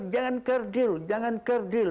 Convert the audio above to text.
jangan kerdil jangan kerdil